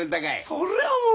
そりゃもう！